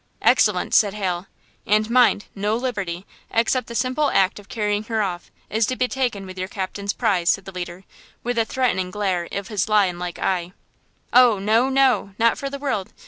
"Excellent!" said Hal. "And mind, no liberty, except the simple act of carrying her off, is to be taken with your captain's prize!" said the leader, with a threatening glare of his lion like eye. "Oh, no, no, not for the world!